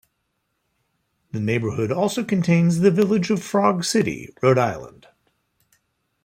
The neighborhood also contains the village of Frog City, Rhode Island.